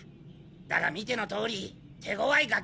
だが見てのとおり手ごわいがけでな。